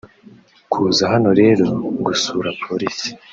Kuza hano rero gusura Polisi